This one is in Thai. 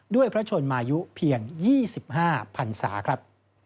พระชนมายุเพียง๒๕พันศาครับ